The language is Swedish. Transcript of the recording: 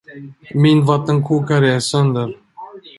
Min vattenkokare är sönder.